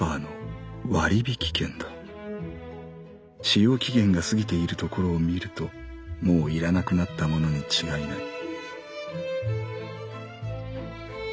使用期限が過ぎているところを見るともう要らなくなったものに違いない」。